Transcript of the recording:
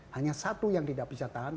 hanya satu yang tidak bisa tahan